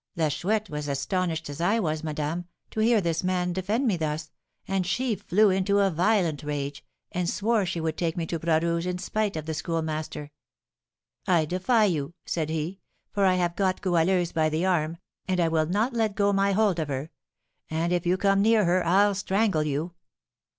La Chouette was as astonished as I was, madame, to hear this man defend me thus, and she flew into a violent rage, and swore she would take me to Bras Rouge's in spite of the Schoolmaster. 'I defy you!' said he, 'for I have got Goualeuse by the arm, and I will not let go my hold of her; and, if you come near her, I'll strangle you!'